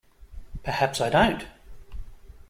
Perhaps I don't.